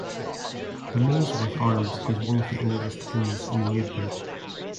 The Molesworth Arms is one of the oldest Inns in Wadebridge.